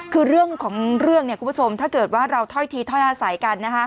คือเรื่องของเรื่องคุณผู้ชมถ้าเกิดว่าเราถ้อยทีถ้อยอาศัยกัน